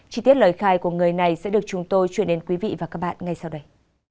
chí tiết lời khai của người này sẽ được chúng tôi chuyển đến quý vị và các bạn ngay sau đây